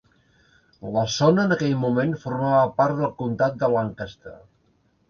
La zona en aquell moment formava part del comtat de Lancaster.